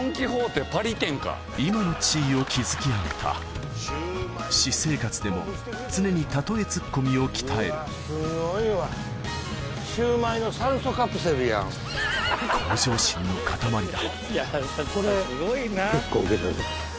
今の地位を築き上げた私生活でも常に例えツッコミを鍛える向上心の塊だ